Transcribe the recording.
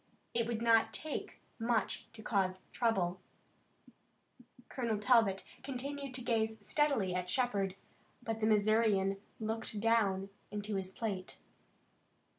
It would not take much to cause trouble." Colonel Talbot continued to gaze steadily at Shepard, but the Missourian looked down into his plate.